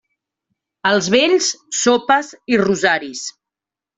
Als vells, sopes i rosaris.